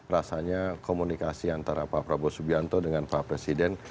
rasanya komunikasi antara pak prabowo subianto dengan pak presiden